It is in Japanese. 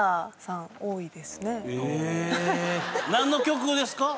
へえ何の曲ですか？